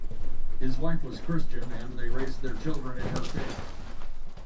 His wife was Christian, and they raised their children in her faith.